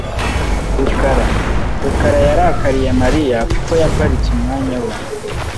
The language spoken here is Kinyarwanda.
[rukara] rukara yarakariye Mariya kuko yaparitse umwanya we .